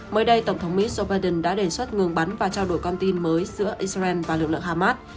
mới đây tổng thống mỹ joe biden đã đề xuất ngừng bắn và trao đổi con tin mới giữa israel và lực lượng hamas